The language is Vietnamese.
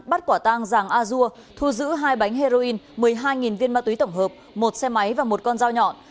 bắt quả tang giàng a dua thu giữ hai bánh heroin một mươi hai viên ma túy tổng hợp một xe máy và một con dao nhọn